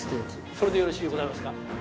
それでよろしゅうございますか？